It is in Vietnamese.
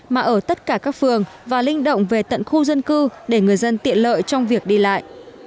mà ở tất cả các phường và linh động về tận khu dân cư để người dân tiện lợi trong việc đi lại